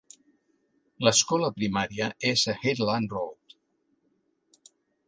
L"escola primària és a Headland Road.